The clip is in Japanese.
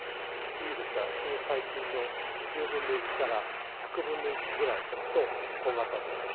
ウイルスはその細菌の１０分の１から１００分の１ぐらいと小型です。